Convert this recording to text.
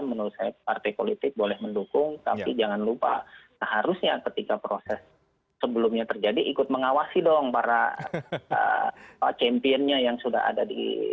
menurut saya partai politik boleh mendukung tapi jangan lupa seharusnya ketika proses sebelumnya terjadi ikut mengawasi dong para championnya yang sudah ada di